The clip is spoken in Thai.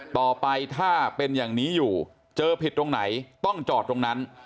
ต่อไปถ้าเป็นอย่างนี้อยู่เจอผิดตรงไหนต้องจอดตรงนั้น